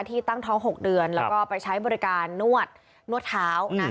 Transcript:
ที่ตั้งท้อง๖เดือนแล้วก็ไปใช้บริการนวดนวดเท้านะ